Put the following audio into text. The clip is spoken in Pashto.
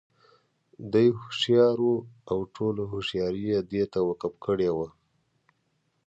دى هوښيار وو او ټوله هوښياري یې دې ته وقف کړې وه.